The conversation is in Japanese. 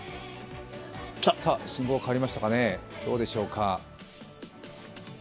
さあ、信号が変わりましたかねどうでしょうか。